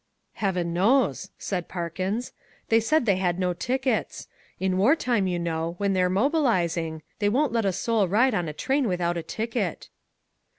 "Heaven knows," said Parkins, "they said they had no tickets. In war time you know, when they're mobilizing, they won't let a soul ride on a train without a ticket."